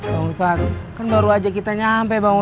bang ustadz kan baru aja kita nyampe